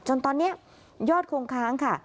จนตอนนี้ยอดคงค้างค่ะ